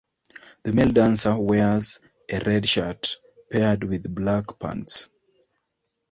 The male dancer wears a red shirt paired with black pants.